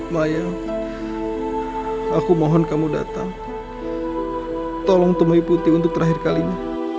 maya aku mohon kamu datang tolong temui putih untuk terakhir kali ini